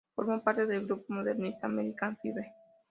Formó parte del grupo modernista American Five.